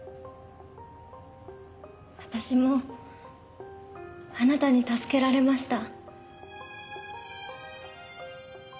私もあなたに助けられました。